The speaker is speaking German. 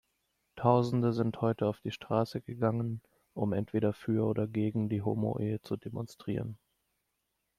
Tausende sind heute auf die Straße gegangen, um entweder für oder gegen die Homoehe zu demonstrieren.